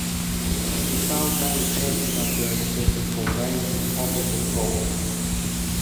We found many persons at work searching for veins and pockets of gold.